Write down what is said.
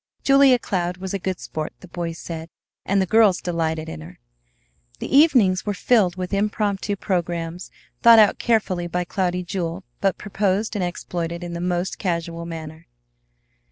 Julia Cloud was "a good sport," the boys said; and the girls delighted in her. The evenings were filled with impromptu programmes thought out carefully by Julia Cloud, but proposed and exploited in the most casual manner.